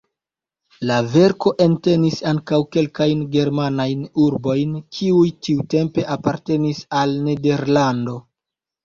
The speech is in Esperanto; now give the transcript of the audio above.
La verko entenis ankaŭ kelkajn germanajn urbojn, kiuj tiutempe apartenis al Nederlando.